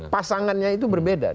pasangannya itu berbeda